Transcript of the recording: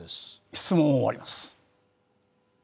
質問を終わります。